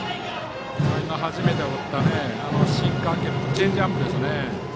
初めて放ったシンカー系のチェンジアップですね。